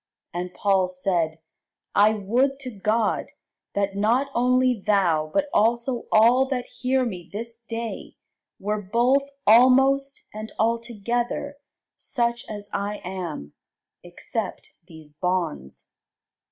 And Paul said, I would to God, that not only thou, but also all that hear me this day, were both almost, and altogether such as I am, except these bonds.